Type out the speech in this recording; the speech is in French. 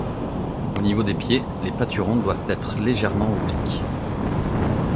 Au niveau des pieds, les paturons doivent être légèrement obliques.